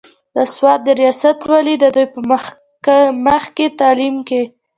د سوات د رياست والي د دوي پۀ مخکښې تعليم کښې